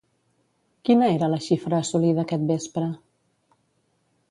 Quina era la xifra assolida aquest vespre?